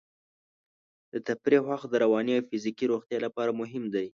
د تفریح وخت د رواني او فزیکي روغتیا لپاره مهم دی.